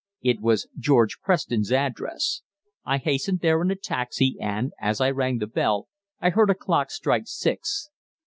It was George Preston's address. I hastened there in a taxi, and, as I rang the bell, I heard a clock strike six.